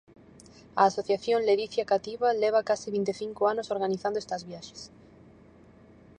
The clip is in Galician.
A Asociación Ledicia Cativa leva case vinte e cinco anos organizando estas viaxes.